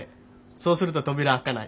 そうすると扉開かない。